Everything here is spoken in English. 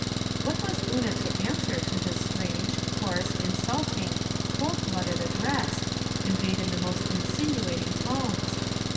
What was Una to answer to this strange, coarse, insulting, cold blooded address, conveyed in the most insinuating tones